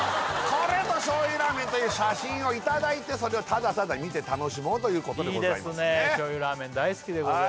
これぞ醤油ラーメンという写真をいただいてそれをただただ見て楽しもうということでございますねいいですね